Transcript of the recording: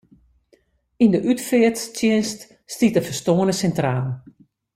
Yn de útfearttsjinst stiet de ferstoarne sintraal.